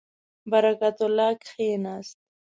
برکت الله کښېنست.